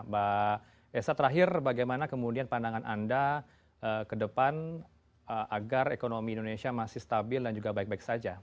mbak esa terakhir bagaimana kemudian pandangan anda ke depan agar ekonomi indonesia masih stabil dan juga baik baik saja